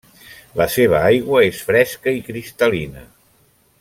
La seva aigua és fresca i cristal·lina.